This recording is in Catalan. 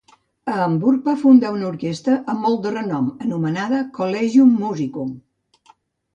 A Hamburg, va fundar una orquestra amb molt de renom anomenada "Collegium Musicum".